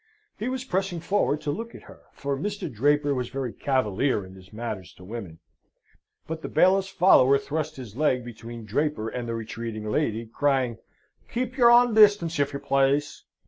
He was pressing forward to look at her for Mr. Draper was very cavalier in his manners to women but the bailiff's follower thrust his leg between Draper and the retreating lady, crying, "Keep your own distance, if you plaise!